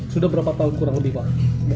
sudah berapa tahun kurang lebih pak